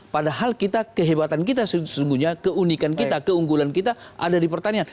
padahal kehebatan kita sesungguhnya keunikan kita keunggulan kita ada di pertanian